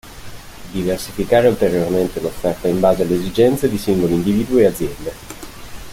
Diversificare ulteriormente l'offerta in base alle esigenze di singoli individui e aziende.